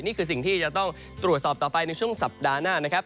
นี่คือสิ่งที่จะต้องตรวจสอบต่อไปในช่วงสัปดาห์หน้านะครับ